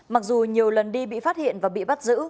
mặc dù nhiều lần đi bị phát hiện và bị bắt giữ